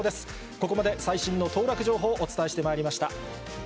ここまで最新の当落情報をお伝えしてまいりました。